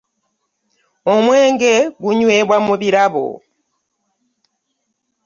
Omwenge gunyweebwa mu birabo.